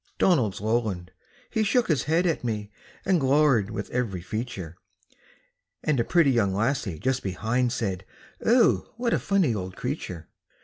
Donald's lowland, he shook his head at me, And glowered with every feature, And a pretty young lassie just behind Said: "Oh, what a funny old creature!"